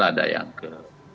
ada yang ke